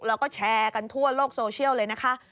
แล้วก็แชร์กันทั่วโลกโซเชียลเลยนะคะ